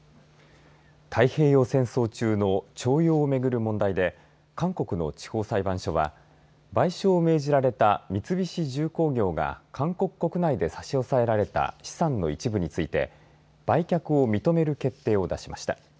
太平洋戦争中の徴用を巡る問題で韓国の地方裁判所は賠償を命じられた三菱重工業が韓国国内で差し押さえられた資産の一部について売却を認める決定を出しました。